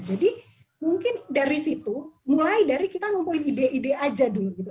mungkin dari situ mulai dari kita ngumpulin ide ide aja dulu gitu